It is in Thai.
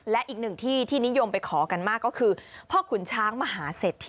และอีกหนึ่งที่ที่นิยมไปขอกันมากก็คือพ่อขุนช้างมหาเศรษฐี